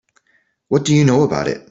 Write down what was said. What do you know about it?